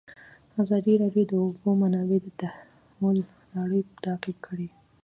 ازادي راډیو د د اوبو منابع د تحول لړۍ تعقیب کړې.